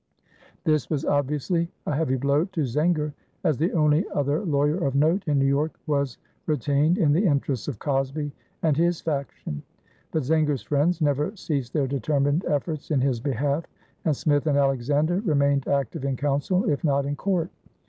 This was obviously a heavy blow to Zenger, as the only other lawyer of note in New York was retained in the interests of Cosby and his faction. But Zenger's friends never ceased their determined efforts in his behalf, and Smith and Alexander remained active in counsel if not in court.